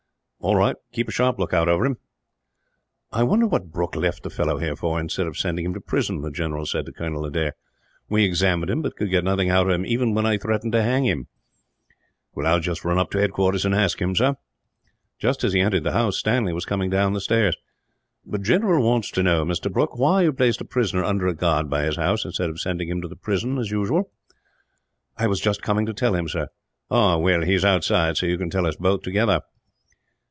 "All right; keep a sharp lookout over him. "I wonder what Brooke left the fellow here for, instead of sending him to prison," the general said to Colonel Adair. "We examined him, but could get nothing out of him, even when I threatened to hang him." "I will just run up to his quarters and ask him, sir." Just as he entered the house, Stanley was coming down the stairs. "The general wants to know, Mr. Brooke, why you placed a prisoner under a guard by his house; instead of sending him to the prison, as usual?" "I was just coming to tell him, sir." "Ah, well, he is outside; so you can tell us both together."